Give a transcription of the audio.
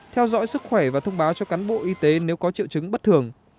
theo dõi sức khỏe và thông báo cho cán bộ y tế nếu có triệu chứng bất thường